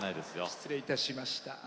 失礼いたしました。